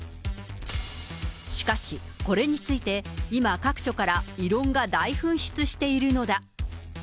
しかし、これについて今、各所から異論が大噴出しているのだ。